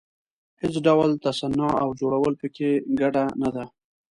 هېڅ ډول تصنع او جوړول په کې ګډه نه ده.